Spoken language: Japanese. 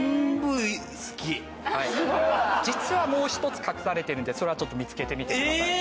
実はもう一つ隠されてるんでそれはちょっと見つけてみてください。